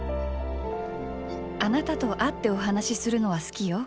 あなたと会ってお話しするのは好きよ。